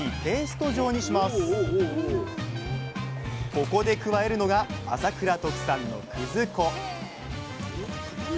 ここで加えるのが朝倉特産の葛粉